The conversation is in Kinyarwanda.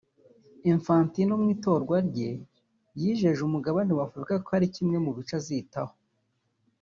Infantino mu itorwa rye yijeje umugabane wa Afurika ko ari kimwe mu bice azitaho